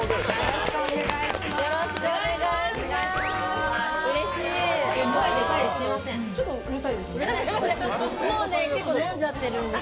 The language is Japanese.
よろしくお願いします。